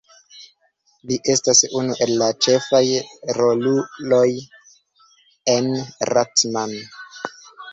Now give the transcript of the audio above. Li estas unu el la ĉefaj roluloj en Rat-Man.